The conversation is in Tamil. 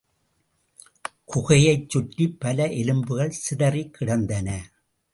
குகையைச் சுற்றிப் பல எலும்புகள் சிதறிக் கிடந்தன.